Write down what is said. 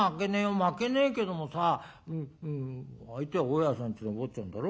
負けねえけどもさ相手は大家さんちの坊ちゃんだろ。